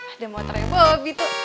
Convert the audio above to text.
ada motornya bopi tuh